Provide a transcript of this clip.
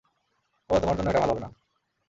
ওহ, তোমার জন্য এটা ভালো হবে না।